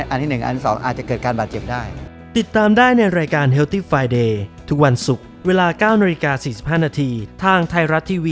อันที่๑อันที่๒อาจจะเกิดการบาดเจ็บได้